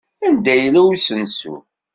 Anda yella usensu?